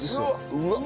うわっ！